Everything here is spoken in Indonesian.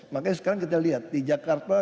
makanya sekarang kita lihat di jakarta